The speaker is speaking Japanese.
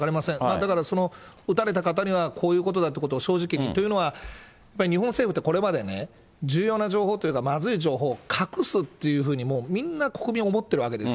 だからその打たれた方には、こういうことだっていうことを正直に。というのは、やっぱり日本政府ってこれまでね、重要な情報っていうか、まずい情報を隠すというふうに、みんな国民思ってるわけです。